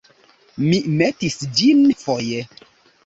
Mi metis ĝin foje.